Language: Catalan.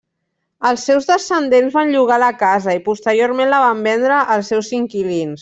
Els seus descendents van llogar la casa i posteriorment la van vendre als seus inquilins.